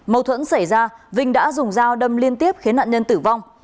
mâu thuẫn xảy ra vinh đã dùng dao đâm liên tiếp khiến nạn nhân tử vong